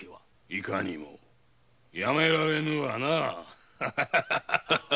いかにもやめられぬわ。